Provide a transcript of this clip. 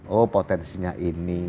oh potensinya ini